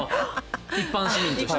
一般市民として？